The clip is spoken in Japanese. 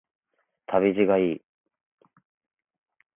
旅路がいい